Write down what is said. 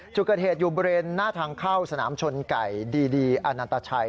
จุกเกอร์เทศอยู่บริเวณหน้าทางเข้าสนามชนไก่ดีอาณาตาชัย